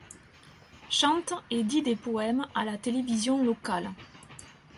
Chante et dit des poèmes à la télévision locale.